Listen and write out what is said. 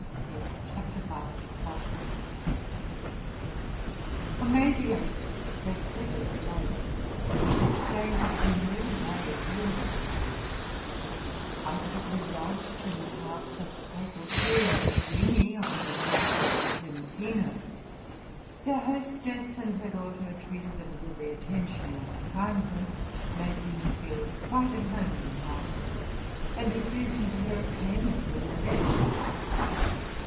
{THE ITALIAN TOUR.} (122) On May 8, they quitted Rome, where their stay had been in every way agreeable; they had been comfortably lodged in the house of the Papal courier Uslinghi, on the Piazza del Clementino; their hostess and her daughter treated them with every attention and kindness, making them feel quite at home in the house, and refusing to hear of payment when they left.